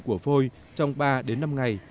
của phôi trong ba đến năm ngày